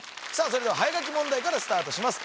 それでは早書き問題からスタートします